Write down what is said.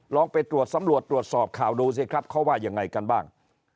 ไปตรวจสำรวจตรวจสอบข่าวดูสิครับเขาว่ายังไงกันบ้าง